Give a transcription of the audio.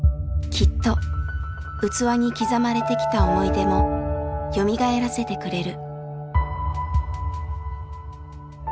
きっと器に刻まれてきた思い出もよみがえらせてくれる。